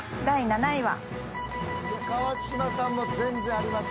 ［第７位は］